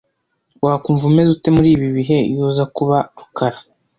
Wakumva umeze ute muri ibi bihe iyo uza kuba rukara?